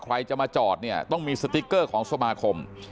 ใครจะมาจอดเนี่ยต้องมีสติ๊กเกอร์ของสมาคม